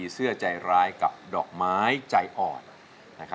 เสื้อใจร้ายกับดอกไม้ใจอ่อน